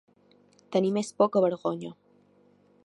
Tenir més por que vergonya.